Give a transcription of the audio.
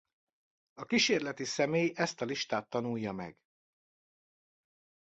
A kísérleti személy ezt a listát tanulja meg.